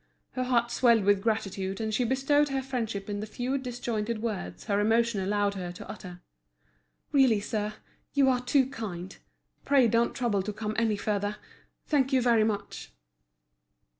Her heart swelled with gratitude, and she bestowed her friendship in the few disjointed words her emotion allowed her to utter. "Really, sir, you are too kind. Pray don't trouble to come any further. Thank you very much."